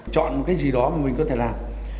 chọn cái gì đó mà mình có thể làm